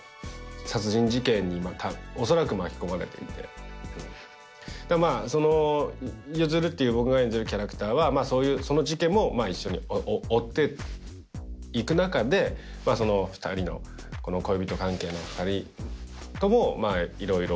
殺人事件に恐らく巻き込まれていてその譲っていう僕が演じるキャラクターはその事件も一緒に追っていく中でその２人の恋人関係の２人ともいろいろ交流をしていくっていう